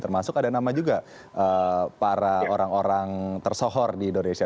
termasuk ada nama juga para orang orang tersohor di indonesia